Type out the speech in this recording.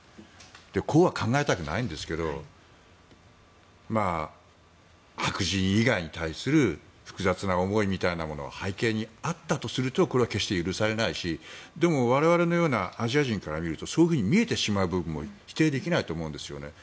こうは考えたくないんですが白人以外に対する複雑な思いみたいなものが背景にあったとするとこれは決して許されないしでも、我々のようなアジア人から見るとそう見えてしまう部分も否定できないと思うんですよね。